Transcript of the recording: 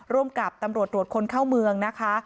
ร่วมกับตำรวจตรวจคนเข้าเมืองนะคะ